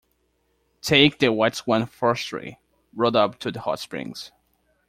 Take the Whiteswan Forestry Road up to the hotsprings.